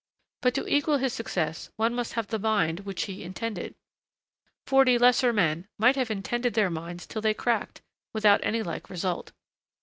But to equal his success one must have the mind which he 'intended.' Forty lesser men might have intended their minds till they cracked, without any like result.